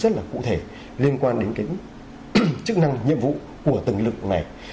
rất là cụ thể liên quan đến cái chức năng nhiệm vụ của từng lực này